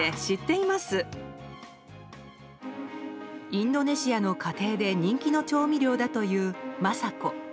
インドネシアの家庭で人気の調味料だというＭａｓａｋｏ。